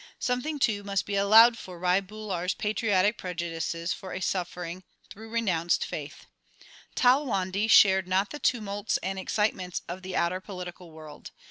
Something, too, must be allowed for Rai Bular s patriotic prejudices for a suffering though renounced faith. Talwandi shared not the tumults and excitements of the outer political world.